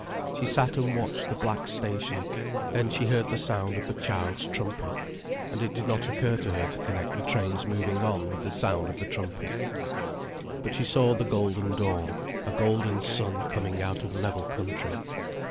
She sat and watched the black station—then she heard the sound of the child's trumpet. And it did not occur to her to connect the train's moving on with the sound of the trumpet. But she saw the golden dawn, a golden sun coming out of level country.